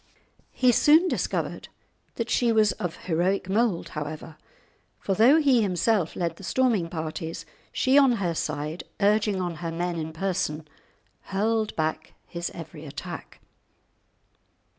He soon discovered that she was of heroic mould, however, for though he himself led the storming parties, she on her side, urging on her men in person, hurled back his every attack.